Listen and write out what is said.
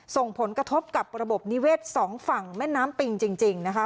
ส่งผลกระทบกับระบบนิเวศสองฝั่งแม่น้ำปิงจริงนะคะ